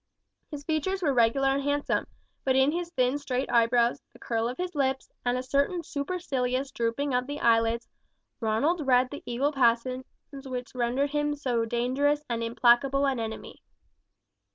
His features were regular and handsome; but in his thin straight eyebrows, the curl of his lips, and a certain supercilious drooping of the eyelids, Ronald read the evil passions which rendered him so dangerous and implacable an enemy.